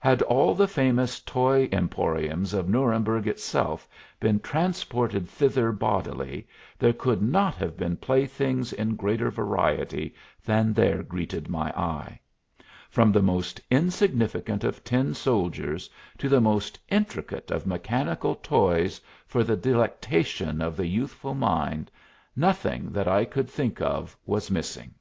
Had all the famous toy emporiums of Nuremberg itself been transported thither bodily, there could not have been playthings in greater variety than there greeted my eye. From the most insignificant of tin soldiers to the most intricate of mechanical toys for the delectation of the youthful mind, nothing that I could think of was missing.